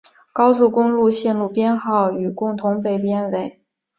高速公路路线编号与共同被编为。